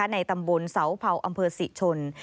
ในตำบลเสาเผาอำเภอสิทธิ์ชน